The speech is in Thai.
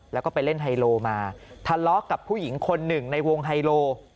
แล้วก็ไปเล่นไฮโลมาทะเลาะกับผู้หญิงคนหนึ่งในวงไฮโล